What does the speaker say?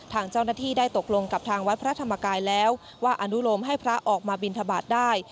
ทางเจ้าหน้าที่ได้ตกลงกับทางวัดพระธรรมกายแล้วว่าอนุโลมให้พระออกมาบินทบาทได้